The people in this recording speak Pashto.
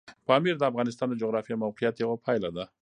پامیر د افغانستان د جغرافیایي موقیعت یوه پایله ده.